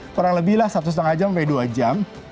kurang lebihlah satu lima jam sampai dua jam